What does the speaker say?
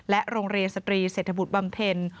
โรงเรียนสตรีเศรษฐบุตรบำเพ็ญ